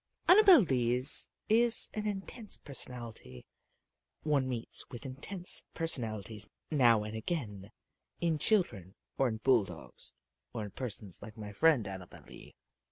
Annabel Lee's is an intense personality one meets with intense personalities now and again, in children or in bull dogs or in persons like my friend Annabel Lee.